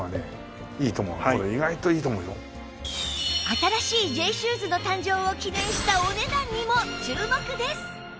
新しい Ｊ シューズの誕生を記念したお値段にも注目です